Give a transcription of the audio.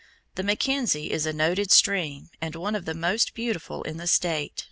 The McKenzie is a noted stream and one of the most beautiful in the state.